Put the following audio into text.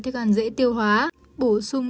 thức ăn dễ tiêu hóa bổ sung